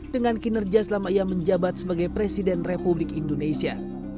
dengan kinerja selama ia menjabat sebagai presiden republik indonesia